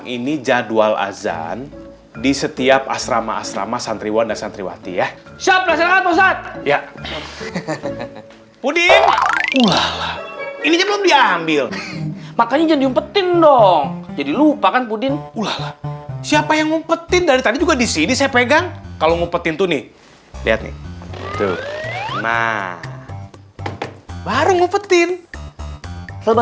itu ada pelaksanaan pesawat belum ini baru mau ngomong terlalu bersemangat pesawat ya